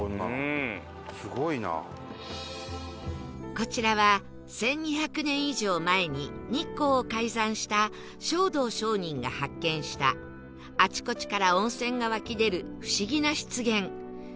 こちらは１２００年以上前に日光を開山した勝道上人が発見したあちこちから温泉が湧き出る不思議な湿原